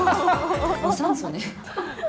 無酸素ね。